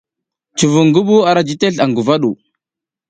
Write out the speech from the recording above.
Cuvung ngi ɓuh ara ji tesl aƞ ngəva ɗu.